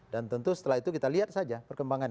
dan tentu setelah itu kita lihat saja perkembangannya